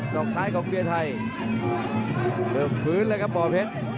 อกซ้ายของเบียร์ไทยเริ่มฟื้นเลยครับบ่อเพชร